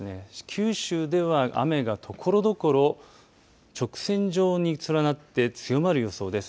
九州では雨がところどころ直線状に連なって強まる予想です。